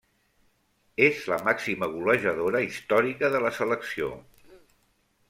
És la màxima golejadora històrica de la selecció.